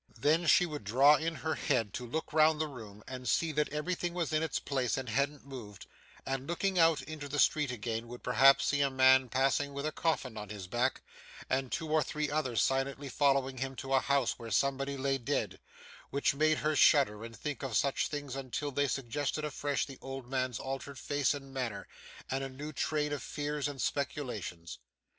Then, she would draw in her head to look round the room and see that everything was in its place and hadn't moved; and looking out into the street again, would perhaps see a man passing with a coffin on his back, and two or three others silently following him to a house where somebody lay dead; which made her shudder and think of such things until they suggested afresh the old man's altered face and manner, and a new train of fears and speculations.